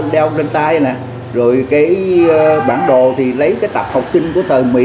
đeo trên tay nè rồi cái bản đồ thì lấy cái tạp học sinh của thời mỹ